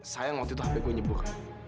sayang waktu itu hp gue nyebut